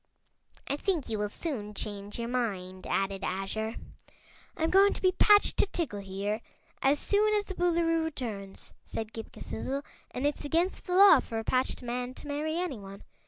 "I think you will soon change your mind," added Azure. "I'm going to be patched to Tiggle, here, as soon as the Boolooroo returns," said Ghip Ghisizzle, "and it's against the law for a patched man to marry anyone.